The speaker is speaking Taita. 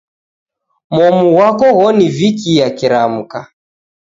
Momu ghwako ghonivikia kiramka